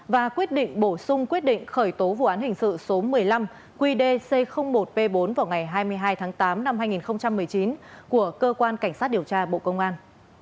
và quyết định bổ sung quyết định khởi tố vụ án hình sự số một mươi năm qd c một p bốn vào ngày hai mươi hai tháng tám năm hai nghìn một mươi chín của cơ quan cảnh sát điều tra bộ công an